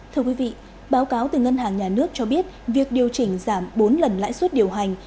thưa quý vị báo cáo từ ngân hàng nhà nước cho biết việc điều chỉnh giảm bốn lần lãi suất điều hành